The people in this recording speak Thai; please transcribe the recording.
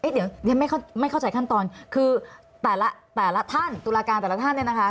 เดี๋ยวยังไม่เข้าใจขั้นตอนคือตุลาการแต่ละท่านเนี่ยนะคะ